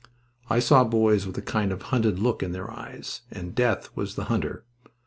I saw boys with a kind of hunted look in their eyes; and Death was the hunter.